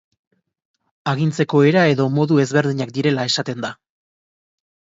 Agintzeko era edo modu ezberdinak direla esaten da.